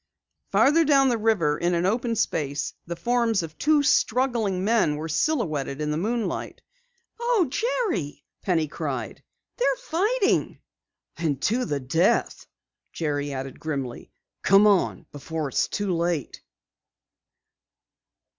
Farther down the river in an open space, the forms of two struggling men were silhouetted in the moonlight. "Oh, Jerry," Penny cried, "they're fighting!" "And to the death," added Jerry grimly. "Come on, before it's too late!"